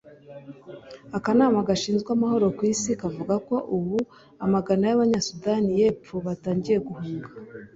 Akanama gashinzwe amahoro ku isi kavuga ko ubu amagana y’abanya-Sudan y’Epfo batangiye guhunga